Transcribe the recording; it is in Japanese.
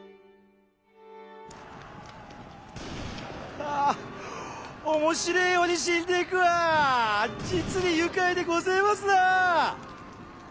ああ面白えように死んでいくわ実に愉快でごぜますなあ！